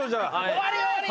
終わり終わり！